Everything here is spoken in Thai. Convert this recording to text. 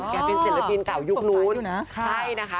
แกเป็นศิลปินเก่ายุคนู้นใช่นะคะคุณสนใจด้วยนะ